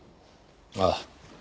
ああ。